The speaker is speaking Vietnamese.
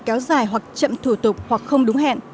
cơ hội kéo dài hoặc chậm thủ tục hoặc không đúng hẹn